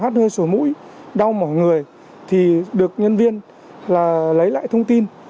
hát hơi sổ mũi đau mỏi người thì được nhân viên lấy lại thông tin